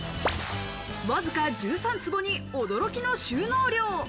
わずか１３坪に驚きの収納量。